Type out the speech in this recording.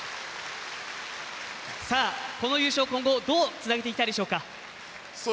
この優勝を今後どうつなげていきたいですか。